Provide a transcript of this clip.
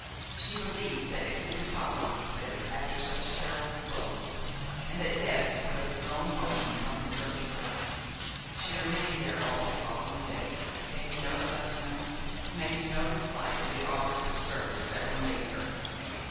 She believed that it was impossible to live after such terrible blows, and that death would of its own motion come in search of her. She remained there all the following day, taking no sustenance, making no reply to the offers of service that were made her.